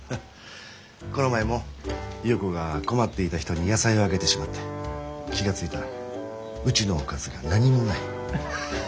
この前も優子が困っていた人に野菜をあげてしまって気が付いたらうちのおかずが何もない。